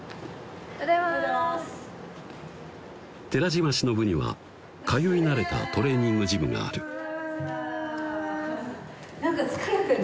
おはようございます寺島しのぶには通い慣れたトレーニングジムがある何か疲れてる？